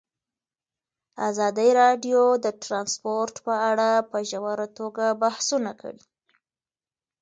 ازادي راډیو د ترانسپورټ په اړه په ژوره توګه بحثونه کړي.